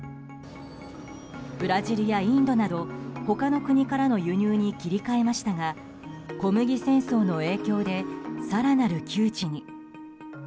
ブラジルやインドなど他の国からの輸入に切り替えましたが小麦戦争の影響で更なる窮地に。